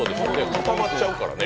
固まっちゃうからね。